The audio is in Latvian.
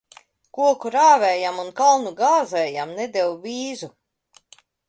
Koku rāvējam un kalnu gāzējam nedeva vīzu.